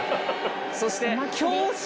そして。